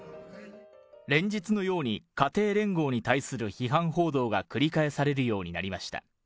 連日のように家庭連合に対する批判報道が繰り返されるようになりました。